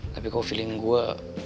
tapi kalau feeling gue